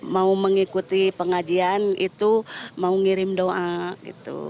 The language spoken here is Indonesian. mau mengikuti pengajian itu mau ngirim doa gitu